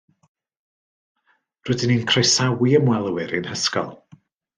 Rydyn ni'n croesawu ymwelwyr i'n hysgol